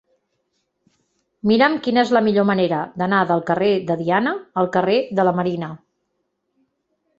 Mira'm quina és la millor manera d'anar del carrer de Diana al carrer de la Marina.